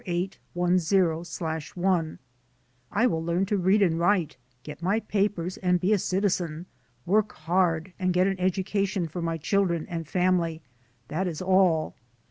54810/1) : "I will learn to read and write, get my papers and be a citizen, work hard and get an education for my children and family — ^that is all.